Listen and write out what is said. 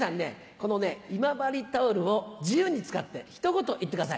この今治タオルを自由に使ってひと言言ってください。